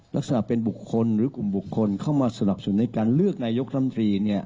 ลักษณะเป็นบุคคลหรือกลุ่มบุคคลเข้ามาสนับสนุนในการเลือกนายกรัมตรี